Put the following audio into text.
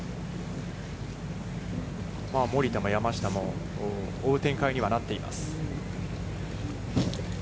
森田も山下も、追う展開にはなっています。